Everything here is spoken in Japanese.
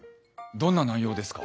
どんな内容ですか？